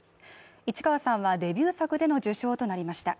市川さんはデビュー作での受賞となりました。